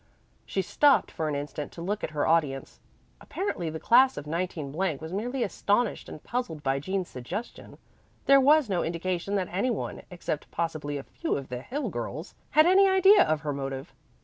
She stopped for an instant to look at her audience. Apparently the class of 19 was merely astonished and puzzled by Jean's suggestion; there was no indication that any one except possibly a few of the Hill girls had any idea of her motive.